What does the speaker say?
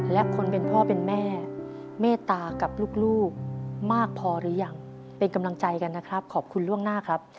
และคนเป็นพ่อเป็นแม่เมตตากับลูกมากพอหรือยังเป็นกำลังใจกันนะครับขอบคุณล่วงหน้าครับ